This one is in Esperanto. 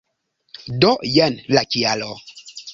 Do jen la kialo!